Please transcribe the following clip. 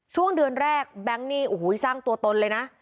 ช่วงเดือนแรกแบงค์นี่โอ้โหสร้างตัวตนเลยนะ